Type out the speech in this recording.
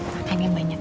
makan yang banyak ya